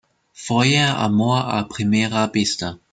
Fue amor a primera vista.